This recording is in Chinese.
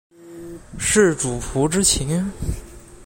是主仆之情？